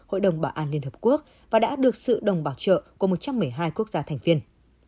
hội đồng bảo an liên hợp quốc và đã được sự đồng bảo trợ của một trăm một mươi hai quốc gia thành viên